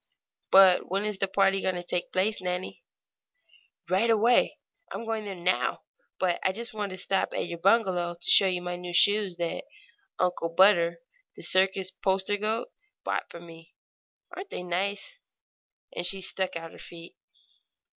"But when is the party going to take place, Nannie?" "Right away I'm going there now; but I just stopped at your bungalow to show you my new shoes that Uncle Butter, the circus poster goat, bought for me. Aren't they nice?" And she stuck out her feet.